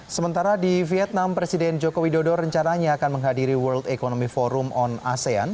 sementara di vietnam presiden joko widodo rencananya akan menghadiri world economy forum on asean